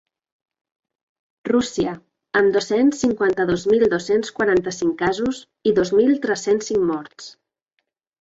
Rússia, amb dos-cents cinquanta-dos mil dos-cents quaranta-cinc casos i dos mil tres-cents cinc morts.